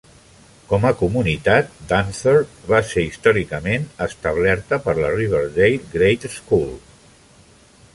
Com a comunitat, Dunthorpe va ser històricament establerta per la Riverdale Grade School.